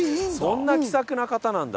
そんな気さくな方なんだ。